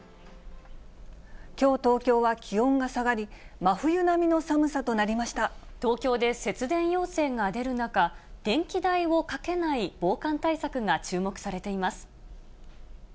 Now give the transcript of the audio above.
きょう東京は気温が下がり、東京で節電要請が出る中、電気代をかけない防寒対策が注目されています。